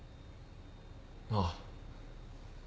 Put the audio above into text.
ああ。